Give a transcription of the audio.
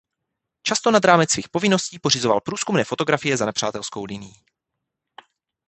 Často nad rámec svých povinností pořizoval průzkumné fotografie za nepřátelskou linií.